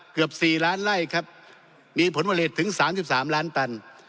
เกือบสี่ล้านไล่ครับมีผลผลิตถึงสามสิบสามล้านตัน